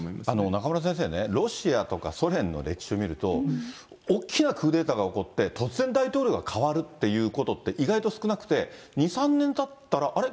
中村先生ね、ロシアとかソ連の歴史を見ると、おっきなクーデターが起こって、突然大統領が代わるっていうことって意外と少なくて、２、３年たったら、あれ？